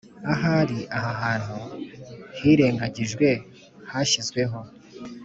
ahari aha hantu hirengagijwe hashyizweho